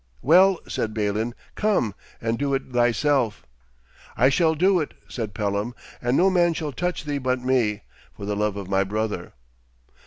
'Well,' said Balin, 'come and do it thyself.' 'I shall do it,' said Pellam, 'and no man shall touch thee but me, for the love of my brother.'